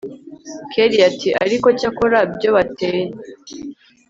kellia ati ariko cyakora byo bateye